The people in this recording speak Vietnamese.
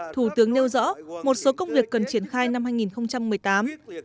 thủ tướng nêu rõ một số công việc cần triển khai năm hai nghìn một mươi tám